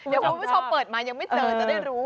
เดี๋ยวคุณผู้ชมเปิดมายังไม่เจอจะได้รู้